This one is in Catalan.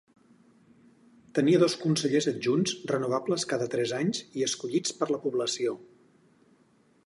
Tenia dos consellers adjunts renovables cada tres anys i escollits per la població.